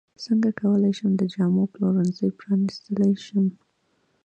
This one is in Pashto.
څنګه کولی شم د جامو پلورنځی پرانستلی شم